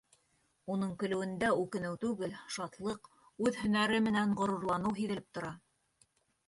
Уның көлөүендә үкенеү түгел, шатлыҡ, үҙ һөнәре менән ғорурланыу һиҙелеп тора.